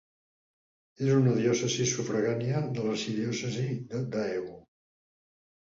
És una diòcesi sufragània de l'arxidiòcesi de Daegu.